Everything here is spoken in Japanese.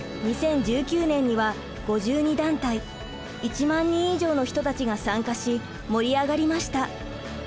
２０１９年には５２団体１万人以上の人たちが参加し盛り上がりました。